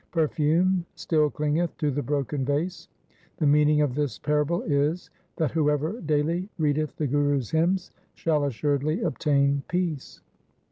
Perfume still clingeth to the broken vase. The meaning of this parable is, that whoever daily readeth the Gurus' hymns shall assuredly obtain peace.